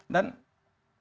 dan kasus baik